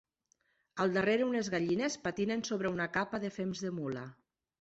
Al darrere unes gallines patinen sobre una capa de fems de mula.